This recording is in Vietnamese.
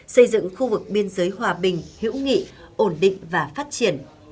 xây dựng khu vực biên giới hòa bình hữu nghị ổn định và phát triển